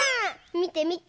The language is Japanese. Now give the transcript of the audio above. みてみて。